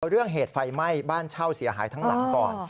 เรื่องเหตุไฟไหม้บ้านเช่าเสียหายทั้งหลังก่อน